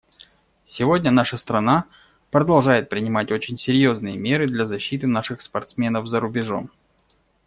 Сегодня наша страна продолжает принимать очень серьезные меры для защиты наших спортсменов за рубежом.